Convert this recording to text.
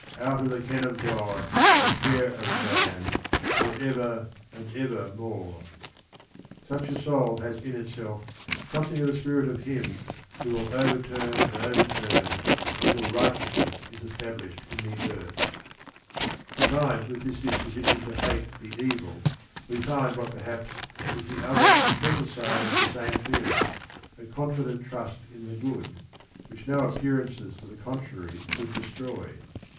"out of the ken of God Or care of man, for ever and ever more I" Such a soul has in itself something of the spirit of Him who will overturn and overturn until righteousness is established in the earth. Combined with this disposition to hate the evil, we find what perhaps is the other and better side of the same feeling, a confident trust in the good, which no appearances to the contrary could destroy.